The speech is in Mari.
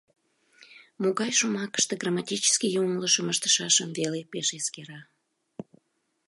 Могай шомакыште грамматический йоҥылышым ыштышашым веле пеш эскера.